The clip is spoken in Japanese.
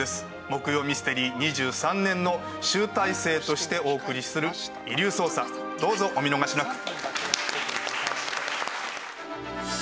木曜ミステリー２３年の集大成としてお送りする『遺留捜査』どうぞお見逃しなく。